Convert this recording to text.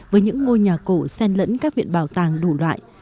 với những ngôi nhà cổ sen lẫn các viện bảo tàng đủ loại